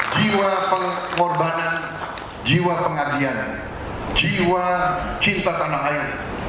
jiwa pengorbanan jiwa pengabdian jiwa cinta tanah air